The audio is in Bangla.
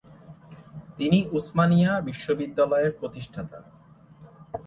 তিনি উসমানিয়া বিশ্ববিদ্যালয়ের প্রতিষ্ঠাতা।